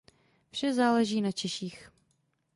Vše záleží na Češích.